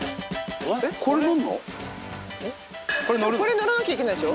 これ乗らなきゃいけないでしょ？